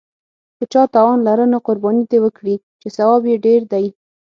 که چا توان لاره نو قرباني دې وکړي، چې ثواب یې ډېر دی.